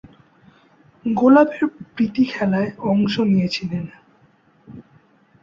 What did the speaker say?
গোলাপের প্রীতিখেলায় অংশ নিয়েছিলেন।